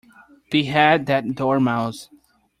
Behead that Dormouse!